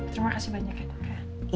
terima kasih banyak ya dok